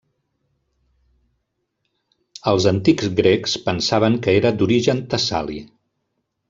Els antics grecs pensaven que era d'origen tessali.